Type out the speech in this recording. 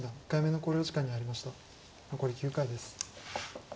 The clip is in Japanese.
残り９回です。